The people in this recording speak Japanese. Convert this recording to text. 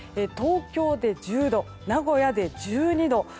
東京で１０度名古屋で１２度。